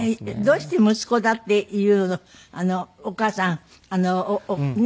どうして息子だっていうのお母さんねっ。